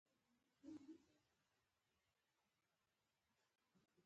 ښځې په دې کې مرسته کوي.